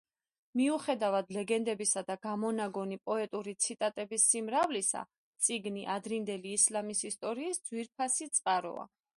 მიუხედავად ლეგენდებისა და გამონაგონი პოეტური ციტატების სიმრავლისა, წიგნი ადრინდელი ისლამის ისტორიის ძვირფასი წყაროა.